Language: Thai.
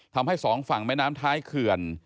ทำให้สองฝั่งแม่น้ำท้ายเขื่อน